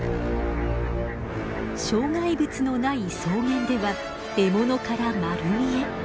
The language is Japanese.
障害物のない草原では獲物から丸見え。